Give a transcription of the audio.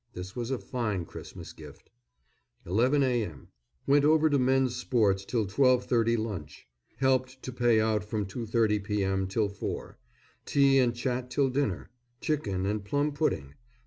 This was a fine Christmas gift. 11 a.m. Went over to men's sports till 12.30 lunch. Helped to pay out from 2.30 p.m. till four. Tea and chat till dinner; chicken and plum pudding.